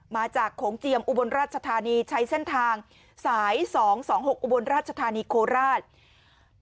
โขงเจียมอุบลราชธานีใช้เส้นทางสาย๒๒๖อุบลราชธานีโคราช